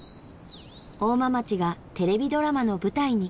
大間町がテレビドラマの舞台に。